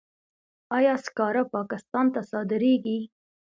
آیا سکاره پاکستان ته صادریږي؟